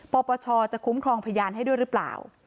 ปปชจะคุ้มครองพยานให้ด้วยหรือเปล่า